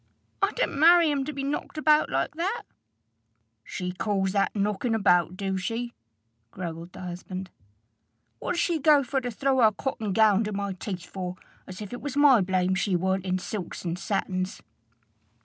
"I didn't marry him to be knocked about like that." "She calls that knocking about, do she?" growled the husband. "What did she go for to throw her cotton gownd in my teeth for, as if it was my blame she warn't in silks and satins?"